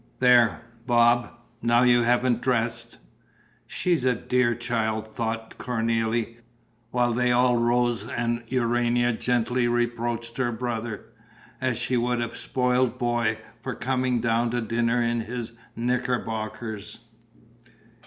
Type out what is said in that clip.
There, Bob, now you haven't dressed!" "She's a dear child," thought Cornélie, while they all rose and Urania gently reproached her brother, as she would a spoiled boy, for coming down to dinner in his knickerbockers.